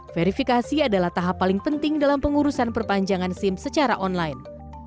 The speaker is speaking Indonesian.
verifikasi adalah tahap paling penting dalam pengurusan perpanjangan sim secara online